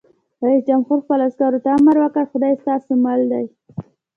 رئیس جمهور خپلو عسکرو ته امر وکړ؛ خدای ستاسو مل دی!